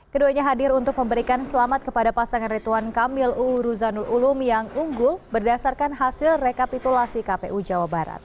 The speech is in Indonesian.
keduanya hadir untuk memberikan selamat kepada pasangan rituan kamil uu ruzanul ulum yang unggul berdasarkan hasil rekapitulasi kpu jawa barat